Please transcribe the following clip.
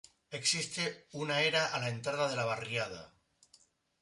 Existe una era a la entrada de la barriada.